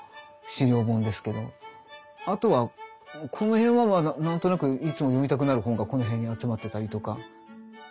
あとはこの辺は何となくいつも読みたくなる本がこの辺に集まってたりとか。